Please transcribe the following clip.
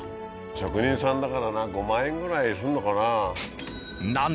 職人さんだから５万円ぐらいすんのかな。